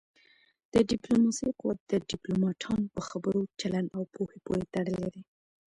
د ډيپلوماسی قوت د ډيپلوماټانو په خبرو، چلند او پوهه پورې تړلی دی.